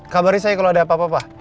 kabarin saya kalau ada apa apa pak